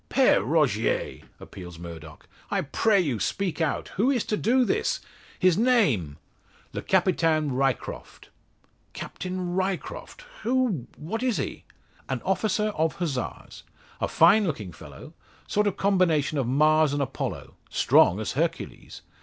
"Pere Rogier!" appeals Murdock, "I pray you speak out! Who is to do this? His name?" "Le Capitaine Ryecroft." "Captain Ryecroft! Who what is he?" "An officer of Hussars a fine looking fellow sort of combination of Mars and Apollo; strong as Hercules!